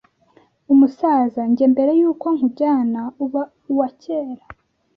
Umusaza njye mbere yuko nkujyana uba uwakera